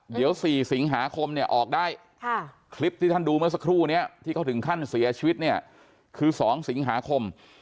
เดี๋ยว๔สิงหาคมเนี่ยออกได้คลิปที่ท่านดูเมื่อสักครู่นี้ที่เขาถึงขั้นเสียชีวิตเนี่ยคือ๒สิงหาคม